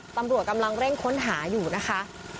ตำรวจกำลังเร่งค้นหาอยู่นะคะ